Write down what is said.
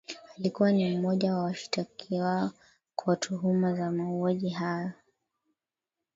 Alikuwa ni mmoja wa washitakiwa kwa tuhuma za mauaji hayo